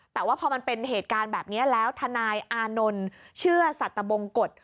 แต่ว่าพอมันเป็นเหตุการณ์แบบนี้แล้วทนายอานนท์เชื่อสัตบงกฎ